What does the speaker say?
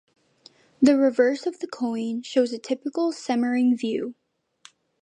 The reverse of the coin shows a typical Semmering view.